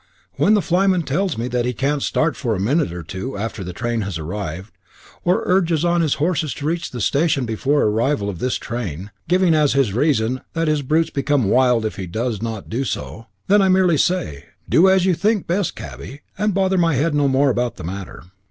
When the flyman tells me that he can't start for a minute or two after the train has arrived, or urges on his horses to reach the station before the arrival of this train, giving as his reason that his brutes become wild if he does not do so, then I merely say, 'Do as you think best, cabby,' and bother my head no more about the matter."